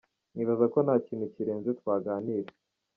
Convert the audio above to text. Nibaza ko nta kintu kirenze twaganira.